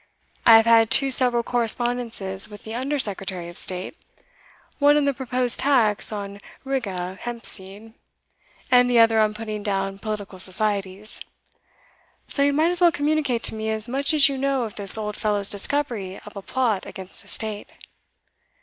I have had two several correspondences with the Under Secretary of State one on the proposed tax on Riga hemp seed, and the other on putting down political societies. So you might as well communicate to me as much as you know of this old fellow's discovery of a plot against the state."